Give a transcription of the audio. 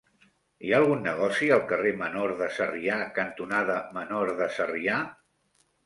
Hi ha algun negoci al carrer Menor de Sarrià cantonada Menor de Sarrià?